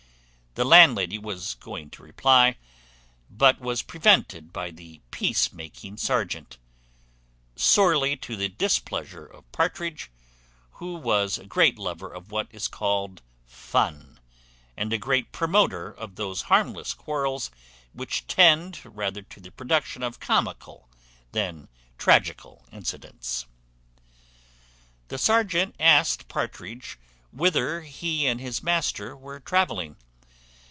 The landlady was going to reply, but was prevented by the peace making serjeant, sorely to the displeasure of Partridge, who was a great lover of what is called fun, and a great promoter of those harmless quarrels which tend rather to the production of comical than tragical incidents. The serjeant asked Partridge whither he and his master were travelling?